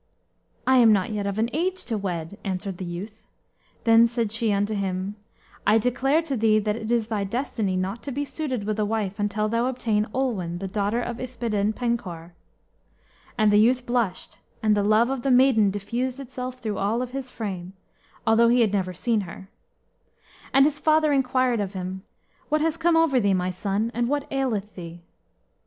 "I am not yet of an age to wed," answered the youth. Then said she unto him, "I declare to thee that it is thy destiny not to be suited with a wife until thou obtain Olwen, the daughter of Yspadaden Penkawr." And the youth blushed, and the love of the maiden diffused itself through all his frame, although he had never seen her. And his father inquired of him, "What has come over thee, my son, and what aileth thee?"